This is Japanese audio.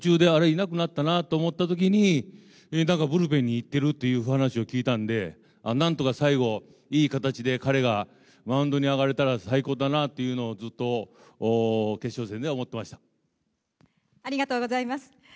いなくなったなと思ったときに、なんかブルペンに行ってるっていう話を聞いたんで、なんとか最後、いい形で彼がマウンドに上がれたら最高だなっていうのを、ずっとありがとうございます。